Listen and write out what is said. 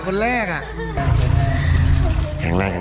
หลายคนแรกอะ